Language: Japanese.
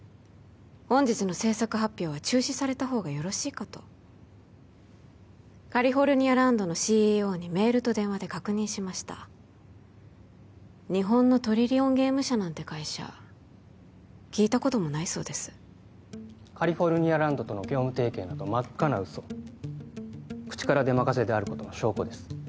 本日の制作発表は中止された方がよろしいかとカリフォルニアランドのＣＥＯにメールと電話で確認しました日本のトリリオンゲーム社なんて会社聞いたこともないそうですカリフォルニアランドとの業務提携など真っ赤な嘘口から出任せであることの証拠です